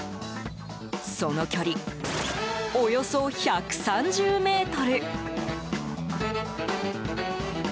その距離、およそ１３０ｍ。